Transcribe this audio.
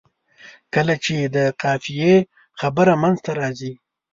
کله چې د قافیې خبره منځته راځي.